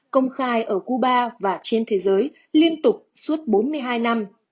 công khai ở cuba và trên thế giới liên tục suốt bốn mươi hai năm